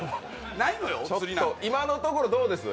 今のところどうです？